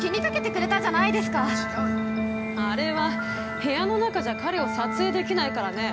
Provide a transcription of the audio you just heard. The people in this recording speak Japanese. ◆あれは、部屋の中じゃ彼を撮影できないからね。